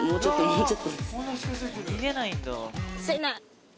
逃げないんだ。